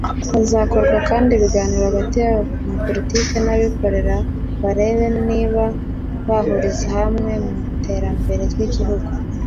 Hazakorwa kandi ibiganiro hagati y’abanyapolitiki n’abikorera bareba niba bahuriza hamwe mu iterambere ry’Igihugu